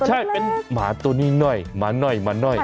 ใช่เป็นหมาตัวนี้น่อยหมาน้อย